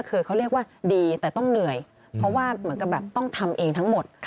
เพราะว่าเหมือนกับแบบต้องทำเองทั้งหมด